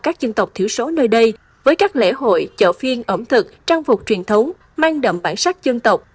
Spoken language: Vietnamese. các dân tộc thiểu số nơi đây với các lễ hội chợ phiên ẩm thực trang phục truyền thống mang đậm bản sắc dân tộc